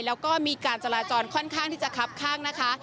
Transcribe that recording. แล้วก็มีการจราจรค่อนข้างที่จะคับข้างนะคะ